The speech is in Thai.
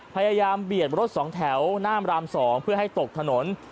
พยายามเบียดรถ๒แถวนามราม๒เพื่อให้ตกถนน